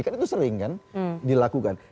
kan itu sering kan dilakukan